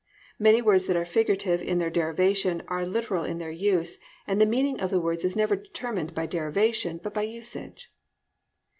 Many words that are figurative in their derivation are literal in their use, and the meaning of words is never determined by derivation, but by usage.